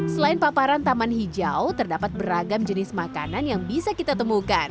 selain paparan taman hijau terdapat beragam jenis makanan yang bisa kita temukan